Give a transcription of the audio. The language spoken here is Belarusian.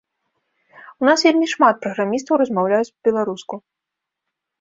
У нас вельмі шмат праграмістаў размаўляюць па-беларуску.